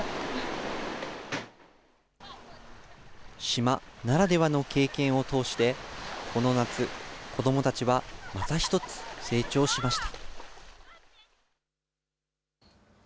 島ならではの経験を通して、この夏、子どもたちはまた一つ、成長しました。